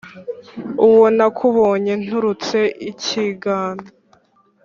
Uwo nakubonye nturutse ikingana